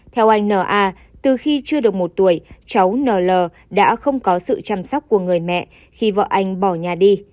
theo anh n a từ khi chưa được một tuổi cháu n l đã không có sự chăm sóc của người mẹ khi vợ anh bỏ nhà đi